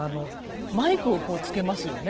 マイクをつけますよね。